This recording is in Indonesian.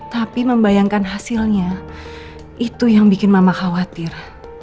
tapi membayangkan hasilnya itu yang bikin mama khawatir